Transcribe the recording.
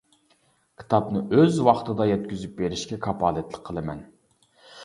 كىتابنى ئۆز ۋاقتىدا يەتكۈزۈپ بېرىشكە كاپالەتلىك قىلىمەن.